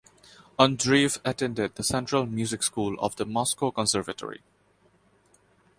Andreev attended the Central Music School of the Moscow Conservatory.